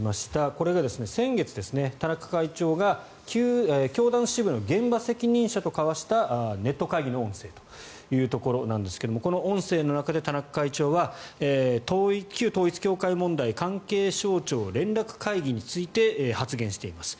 これが先月、田中会長が教団支部の現場責任者と交わしたネット会議の音声というところなんですがこの音声の中で田中会長は旧統一教会問題関係省庁連絡会議について発言しています。